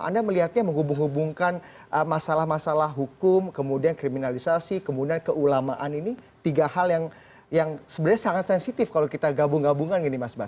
anda melihatnya menghubung hubungkan masalah masalah hukum kemudian kriminalisasi kemudian keulamaan ini tiga hal yang sebenarnya sangat sensitif kalau kita gabung gabungan gini mas bas